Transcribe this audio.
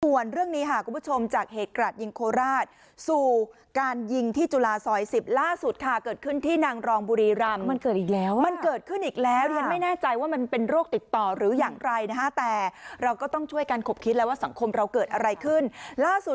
ส่วนเรื่องนี้คุณผู้ชมจากเหตุการณ์ยิงโคลราศ